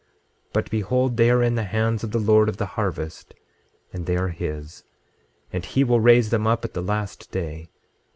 26:7 But behold, they are in the hands of the Lord of the harvest, and they are his; and he will raise them up at the last day.